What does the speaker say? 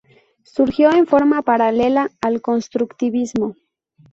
Surgió en forma paralela al constructivismo.